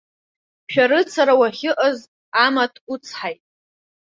Шәарыцара уахьыҟаз амаҭ уцҳаит.